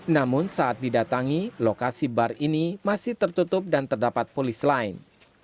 namun saat didatangi lokasi bar ini masih tertutup dan terdapat polis lain